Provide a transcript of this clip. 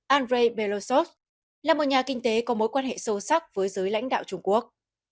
andrei belosov là một nhà kinh tế có mối quan hệ sâu sắc với giới lãnh đạo trung quốc